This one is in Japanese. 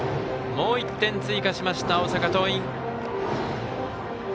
もう１点追加しました、大阪桐蔭。